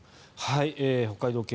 北海道警